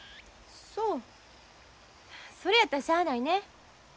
そうそれやったらしゃあないね。